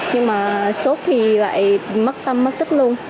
nhưng mà shopee lại mất tâm mất tích luôn